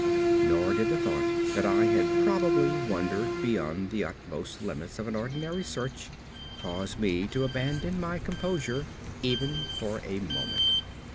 Nor did the thought that I had probably wandered beyond the utmost limits of an ordinary search cause me to abandon my composure even for a moment.